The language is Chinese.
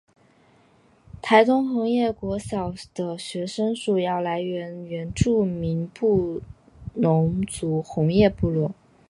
台东红叶国小的学生主要来自原住民布农族红叶部落。